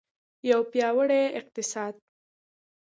یو پیاوړی اقتصاد.